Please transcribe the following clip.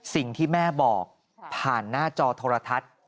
สิ่งที่แม่บอกผ่านหน้าจอโทรทัศน์